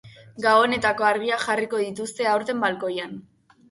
Gabonetako argiak jarriko dituzte aurten balkoian.